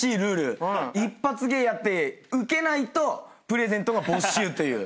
一発芸やってウケないとプレゼントは没収という。